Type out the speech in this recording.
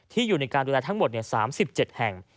อยู่ในการดูแลทั้งหมด๓๗แห่ง